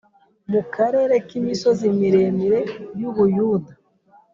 mu karere k imisozi miremire y u Buyuda